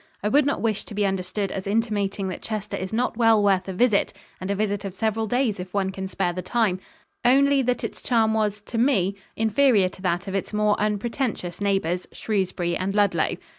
I would not wish to be understood as intimating that Chester is not well worth a visit, and a visit of several days if one can spare the time; only that its charm was, to me, inferior to that of its more unpretentious neighbors, Shrewsbury and Ludlow.